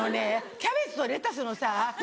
キャベツとレタスのさ違い。